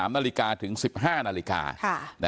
๓นาฬิกาถึง๑๕นาฬิกา